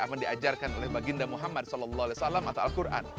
aman diajarkan oleh baginda muhammad saw atau al quran